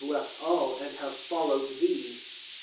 all, and have followed thee."